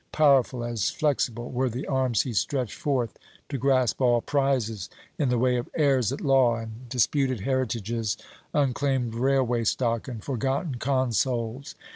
Powerful as flexible were the arms he stretched forth to grasp all prizes in the way of heirs at law and disputed heritages, unclaimed railway stock, and forgotten consols.